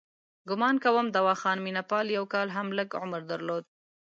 ګومان کوم دواخان مینه پال یو کال هم لږ عمر درلود.